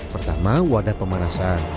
pertama wadah pemanasan